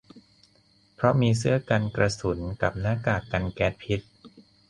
เพราะมีเสื้อกันกระสุนกับหน้ากากกันแก๊สพิษ